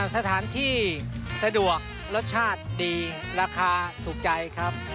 สถานที่สะดวกรสชาติดีราคาถูกใจครับ